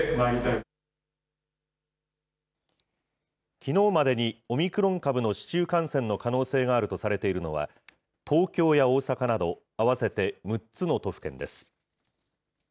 きのうまでに、オミクロン株の市中感染の可能性があるとされているのは、東京や大阪など、合わせて６つの都府県です。